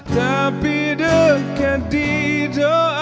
tapi dekat di doa